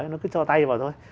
nó cứ cho tay vào thôi